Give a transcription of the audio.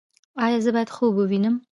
ایا زه باید خوب ووینم؟